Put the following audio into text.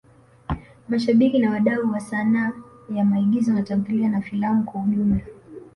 Mashabiki na wadau wa sanaa ya maigizo na tamthilia na filamu kwa ujumla